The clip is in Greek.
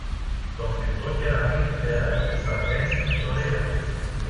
το φριχτό κεραμιδί τέρας που τα στέλνει στην ιστορία